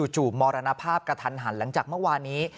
มรณภาพกระทันหันหลังจากเมื่อวานี้